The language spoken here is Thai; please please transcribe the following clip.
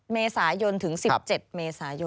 เมษายนถึง๑๗เมษายน